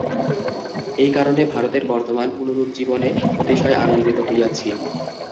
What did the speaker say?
এই কারণে ভারতের বর্তমান পুনরুজ্জীবনে অতিশয় আনন্দিত হইয়াছি।